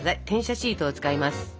転写シートを使います。